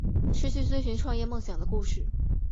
持续追寻创业梦想的故事